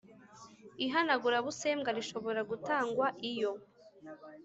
Ihanagurabusembwa rishobora gutangwa iyo